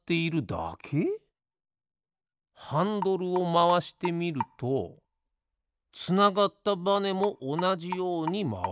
ハンドルをまわしてみるとつながったバネもおなじようにまわる。